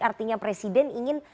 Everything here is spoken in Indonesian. artinya presiden ingin